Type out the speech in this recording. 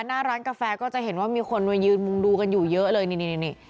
หน้าร้านกาแฟก็จะเห็นว่ามีคนมายืนมุงดูกันอยู่เยอะเลยนี่